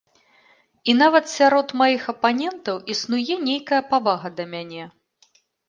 І нават сярод маіх апанентаў існуе нейкая павага да мяне.